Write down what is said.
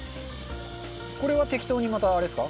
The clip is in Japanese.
これは、適当に、またあれですか？